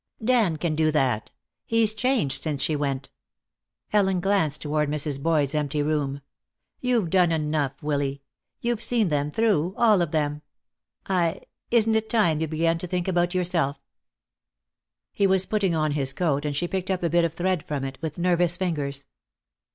"Dan can do that. He's changed, since she went." Ellen glanced toward Mrs. Boyd's empty room. "You've done enough, Willy. You've seen them through, all of them. I isn't it time you began to think about yourself?" He was putting on his coat, and she picked a bit of thread from it, with nervous fingers.